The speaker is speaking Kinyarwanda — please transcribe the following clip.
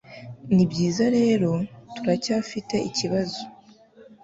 Nibyiza rero, turacyafite ikibazo.